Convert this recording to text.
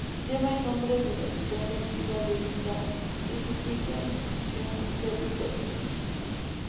Lleva el nombre de la ciudad antigua levita que se ubicaba en su territorio.